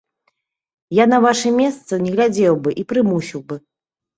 Я на вашым месцы не глядзеў бы і прымусіў бы!